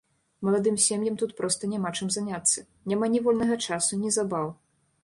Маладым сем'ям тут проста няма чым заняцца, няма ні вольнага часу, ні забаў.